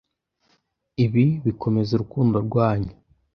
Ibi bikomeza urukundo rwanyu.